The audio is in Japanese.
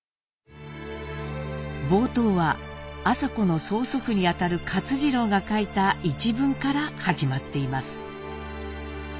冒頭は麻子の曽祖父にあたる勝次郎が書いた一文から始まっています。